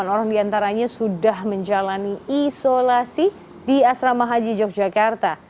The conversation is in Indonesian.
delapan orang diantaranya sudah menjalani isolasi di asrama haji yogyakarta